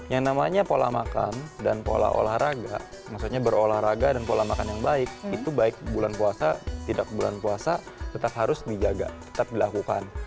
yang namanya pola makan dan pola olahraga maksudnya berolahraga dan pola makan yang baik itu baik bulan puasa tidak bulan puasa tetap harus dijaga tetap dilakukan